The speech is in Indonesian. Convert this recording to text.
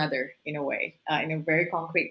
dengan cara yang sangat konkret